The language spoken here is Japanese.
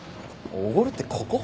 おごるってここ？